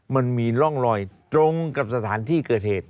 มันมีร่องรอยตรงกับสถานที่เกิดเหตุ